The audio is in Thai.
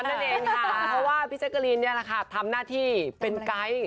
เพราะว่าพี่ชักกะลินทำหน้าที่เป็นไกด์